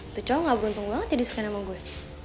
itu cowok gak beruntung banget jadi sukain sama gue